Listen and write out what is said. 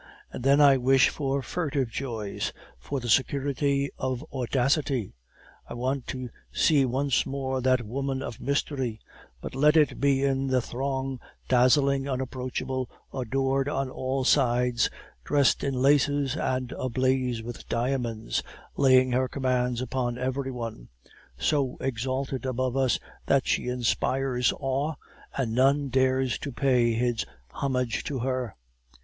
And then I wish for furtive joys, for the security of audacity. I want to see once more that woman of mystery, but let it be in the throng, dazzling, unapproachable, adored on all sides, dressed in laces and ablaze with diamonds, laying her commands upon every one; so exalted above us, that she inspires awe, and none dares to pay his homage to her.